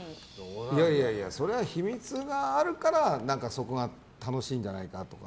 それは秘密があるからそこが楽しいんじゃないかとか。